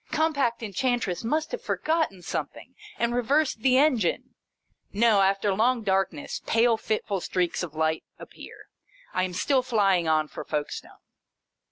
Com pact Enchantress must have forgotten some thing, and reversed the engine. No ! After long darkness, pale fitful streaks of light appear. I am still flying on for Folkestone.